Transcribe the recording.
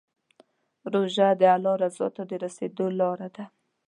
روژه د الله رضا ته د رسېدو لاره ده.